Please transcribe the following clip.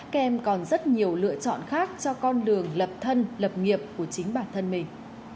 kem còn rất nhiều lựa chọn khác cho con đường lập thân lập nghiệp của chính bản thân mình